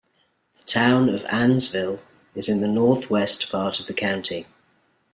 The Town of Annsville is in the northwest part of the county.